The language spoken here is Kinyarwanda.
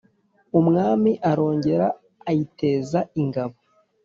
Umwami arongera ayiteza ingabo,